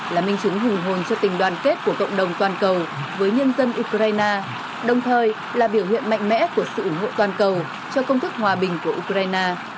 là minh chứng hùng hồn cho tình đoàn kết của cộng đồng toàn cầu với nhân dân ukraine đồng thời là biểu hiện mạnh mẽ của sự ủng hộ toàn cầu cho công thức hòa bình của ukraine